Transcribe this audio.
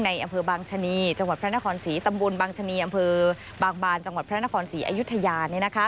อำเภอบางชะนีจังหวัดพระนครศรีตำบลบางชะนีอำเภอบางบานจังหวัดพระนครศรีอยุธยา